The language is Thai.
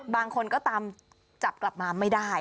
บางคนก็ตามจับกลับมาไม่ได้